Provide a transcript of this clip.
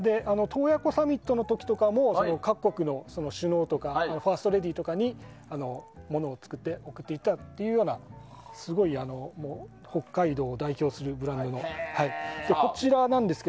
洞爺湖サミットの時とかも各国の首脳とかファーストレディーとかに物を作って贈っていたという北海道を代表するブランドの。